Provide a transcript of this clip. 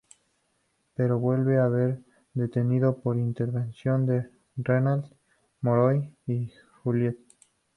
Pero vuelve a ser detenido por intervención de Renard, Monroe y Juliette.